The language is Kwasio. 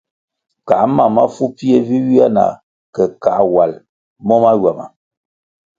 Kā mam mafu pfie vi ywia na ke kā wal mo mahywama.